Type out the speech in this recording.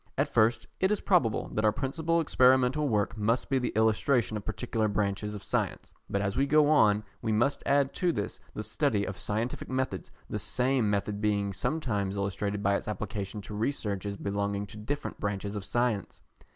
At first it is probable that our principal experimental work must be the illustration of particular branches of science, but as we go on we must add to this the study of scientific methods, the same method being sometimes illustrated by its application to researches belonging to different branches of science.